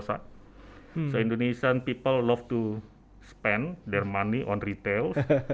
jadi orang indonesia suka menghabiskan uang mereka di perusahaan retail